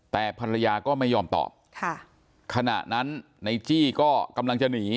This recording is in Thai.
แต่ภรรยาก็ไม่ยอมตอบค่ะขณะนั้นในจี้ก็กำลังจะหนี